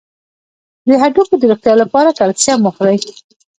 د هډوکو د روغتیا لپاره کلسیم وخورئ